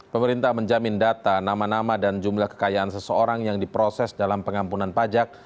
pemerintah menjamin data nama nama dan jumlah kekayaan seseorang yang diproses dalam pengampunan pajak